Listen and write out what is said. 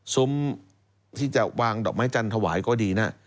ซุ้มที่จะวางดอกไม้จันทวายก็ดีนะ